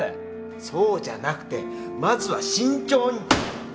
そうじゃなくてまずは慎重に。